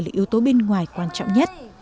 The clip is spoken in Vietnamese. là yếu tố bên ngoài quan trọng nhất